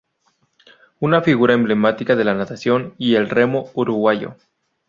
Una figura emblemática de la natación y el remo uruguayo.